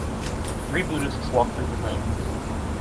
Three Buddhists walk through the moon.